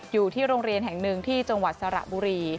อยู่ที่โรงเรียนแห่งหนึ่งที่จังหวัดสระบุรี